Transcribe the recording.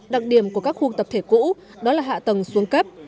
đặc điểm của các khu tập thể cũ đó là hạ tầng xuống cấp